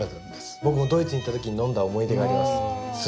僕もドイツに行った時に飲んだ思い出があります。